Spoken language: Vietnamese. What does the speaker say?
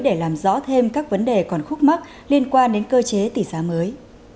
để làm rõ thêm các vấn đề còn khúc mắc liên quan đến cơ chế tỷ giá mới